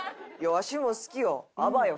わしも好きよ『あばよ』。